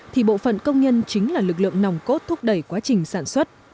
thì bộ phận công nhân chính là lực lượng nòng cốt thúc đẩy quá trình sản xuất